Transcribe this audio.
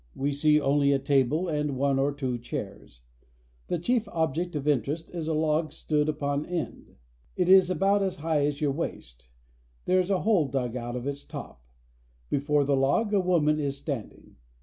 We see only a table and one or two chairs. The chief object of interest is a log stood upon end. It is about as high as your waist ; there 228 PARAGUAY. is a hole dug out of its top. Before the log a woman is standing.